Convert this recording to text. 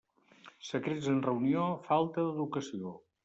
Secrets en reunió, falta d'educació.